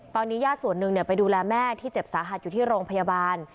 ตอนนี้ญาติส่วนหนึ่งไปดูแลแม่ที่เจ็บสาหัสอยู่ที่โรงพยาบาล